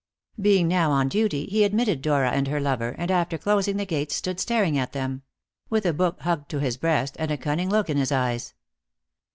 Being now on duty, he admitted Dora and her lover, and after closing the gates, stood staring at them; with a book hugged to his breast, and a cunning look in his eyes.